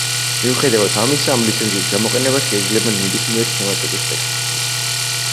მიუხედავად ამისა, ამ ლიცენზიის გამოყენება შეიძლება ნებისმიერი თემატიკის ტექსტისთვის.